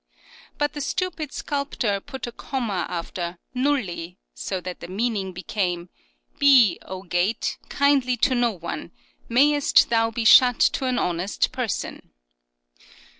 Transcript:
" but the stupid sculptor put a comma after " nulli," so that the meaning became " Be, O gate, kindly to no one; mayest thou be shut to an honest person."